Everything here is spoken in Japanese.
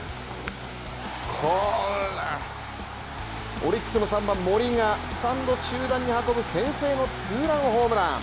オリックスの３番・森がスタンド中段に運ぶ先制のツーランホームラン。